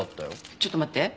ちょっと待って。